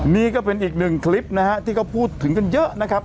นี่ก็เป็นอีกหนึ่งคลิปนะฮะที่เขาพูดถึงกันเยอะนะครับ